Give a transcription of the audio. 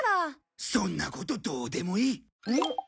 そんなことどうでもいい。